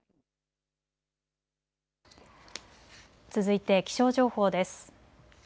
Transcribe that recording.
続いて気象情報です。